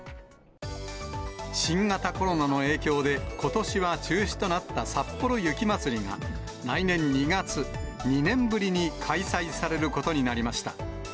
新型コロナの影響で、ことしは中止となったさっぽろ雪まつりが、来年２月、２年ぶりに開催されることになりました。